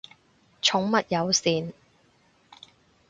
寵物友善